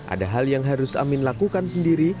ada hal yang harus amin lakukan sendiri